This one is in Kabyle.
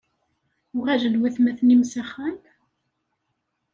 Uɣalen watmaten-im s axxam?